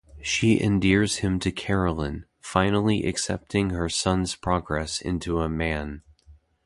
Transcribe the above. She endears him to Carolyn, finally accepting her son's progress into a man.